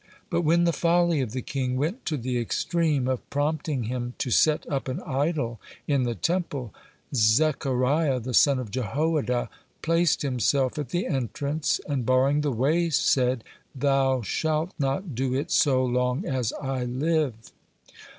(12) But when the folly of the king went to the extreme of prompting him to set up an idol in the Temple, Zechariah, the son of Jehoiada, placed himself at the entrance, and barring the way said: "Thou shalt not do it so long as I live."